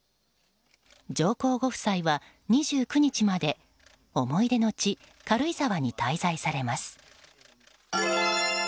上皇ご夫妻は、２９日まで思い出の地・軽井沢に滞在されます。